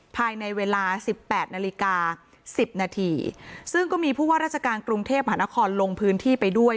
ภายในเวลาสิบแปดนาฬิกาสิบนาทีซึ่งก็มีผู้ว่าราชการกรุงเทพหานครลงพื้นที่ไปด้วย